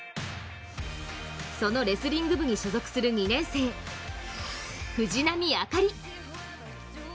そのレスリング部に所属する２年生、藤波朱理。